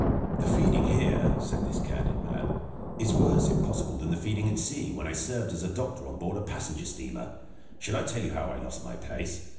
"The feeding here," said this candid man, "is worse if possible than the feeding at sea, when I served as doctor on board a passenger steamer. Shall I tell you how I lost my place?